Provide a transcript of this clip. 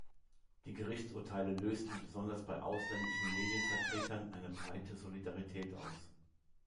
Die Gerichtsurteile lösten besonders bei ausländischen Medienvertretern eine breite Solidarität aus.